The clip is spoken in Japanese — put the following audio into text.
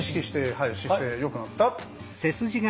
はい姿勢よくなった！